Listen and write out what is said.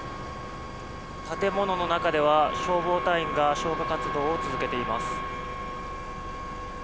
建物の中では消防隊員が消火活動を続けています。